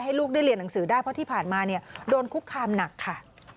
ลูกได้เรียนหนังสือได้เพราะที่ผ่านมาโดนคุกคามหนักค่ะ